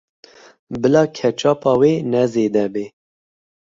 Bila ketçapa wê ne zêde be.